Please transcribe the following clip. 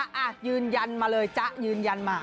อย่ายันมาเลยจะอย่ายันมา